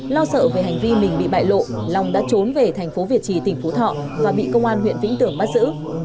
lo sợ về hành vi mình bị bại lộ long đã trốn về thành phố việt trì tỉnh phú thọ và bị công an huyện vĩnh tường bắt giữ